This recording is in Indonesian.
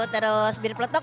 terus bir peletok